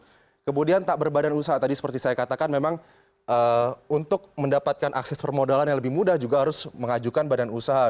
kemudian tak berbadan usaha tadi seperti saya katakan memang untuk mendapatkan akses permodalan yang lebih mudah juga harus mengajukan badan usaha